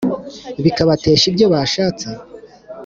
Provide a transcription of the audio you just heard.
bikabatesha ibyo bashatse?